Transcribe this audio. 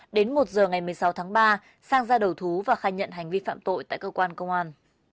đến một giờ ngày một mươi sáu tháng ba sang ra đầu thú và khai nhận hành vi phạm tội tại cơ quan công an